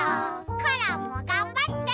コロンもがんばって！